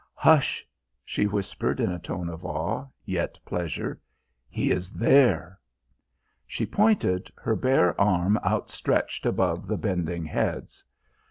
"Hush!" she whispered in a tone of awe, yet pleasure. "He is there!" She pointed, her bare arm outstretched above the bending heads.